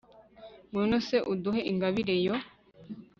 ngwino se uduhe ingabire yo